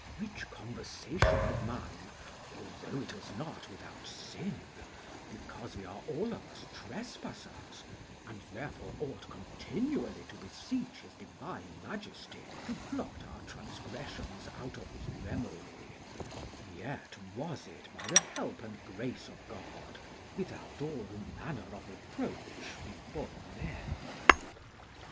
Which conversation of mine, although it was not without sin, because we are all of us trespassers, and therefore ought continually to beseech his divine majesty to blot our transgressions out of his memory, yet was it, by the help and grace of God, without all manner of reproach before men.